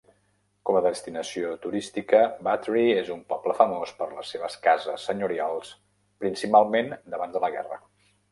Com a destinació turística, Battery és un poble famós per les seves cases senyorials principalment d"abans de la guerra.